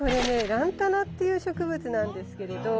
ランタナっていう植物なんですけれど。